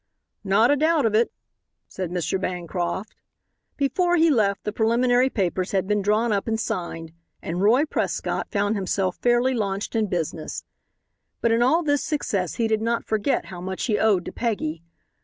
"Not a doubt of it," said Mr. Bancroft. Before he left the preliminary papers had been drawn up and signed, and Roy Prescott found himself fairly launched in business. But in all this success he did not forget how much he owed to Peggy.